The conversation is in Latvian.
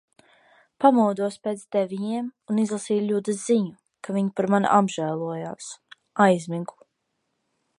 Pamodos pēc deviņiem un izlasīju Ļudas ziņu, ka viņa par mani apžēlojās. Aizmigu.